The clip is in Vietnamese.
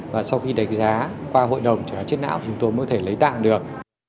và sau khi đánh giá qua hội đồng trẻ chết não chúng tôi mới có thể lấy tạng được